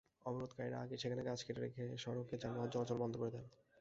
অবরোধকারীরা আগেই সেখানে গাছ কেটে রেখে সড়কে যানবাহন চলাচল বন্ধ করে দেন।